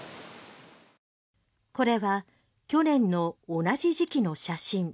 これは去年の同じ時期の写真。